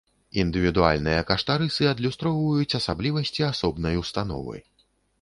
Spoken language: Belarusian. Індывідуальныя каштарысы адлюстроўваюць асаблівасці асобнай установы.